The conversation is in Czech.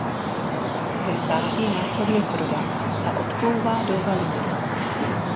Ve stáří následuje Froda a odplouvá do Valinoru.